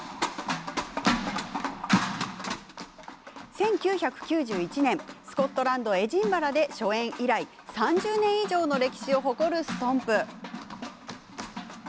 １９９１年、スコットランドエジンバラで初演以来３０年以上の歴史を誇るＳＴＯＭＰ。